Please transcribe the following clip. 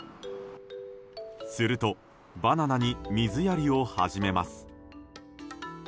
すると、バナナに水やりを始めます。